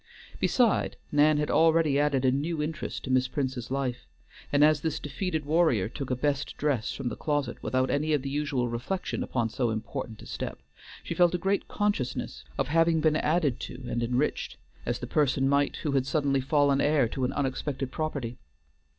Beside, Nan had already added a new interest to Miss Prince's life, and as this defeated warrior took a best dress from the closet without any of the usual reflection upon so important a step, she felt a great consciousness of having been added to and enriched, as the person might who had suddenly fallen heir to an unexpected property.